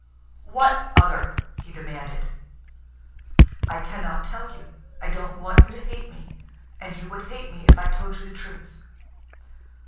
"What other?" he demanded. "I can not tell you. I don't want you to hate me. And you would hate me if I told you the truth."